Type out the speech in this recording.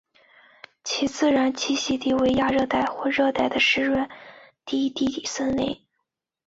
其自然栖息地为亚热带或热带的湿润低地森林。